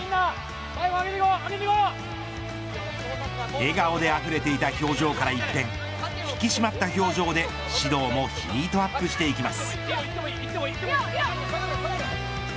笑顔であふれていた表情から一転引き締まった表情で指導もヒートアップしていきます。